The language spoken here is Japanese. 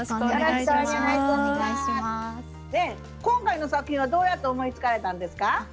今回の作品はどうやって思いつかれたんですか？